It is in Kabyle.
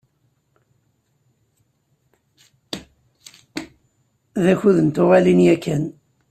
D akud n tuɣalin yakan.